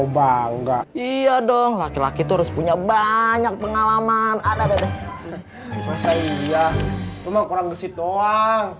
bangga iya dong laki laki tuh harus punya banyak pengalaman ada beda masa iya cuma kurang gesit doang